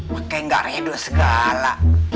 mak kayak gak redo segala